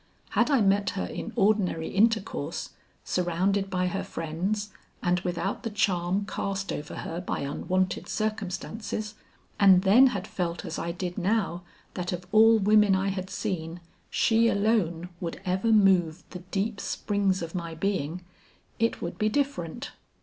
Had I met her in ordinary intercourse, surrounded by her friends and without the charm cast over her by unwonted circumstances, and then had felt as I did now that of all women I had seen, she alone would ever move the deep springs of my being, it would be different.